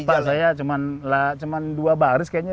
waduh udah lupa saya cuman dua baris kayaknya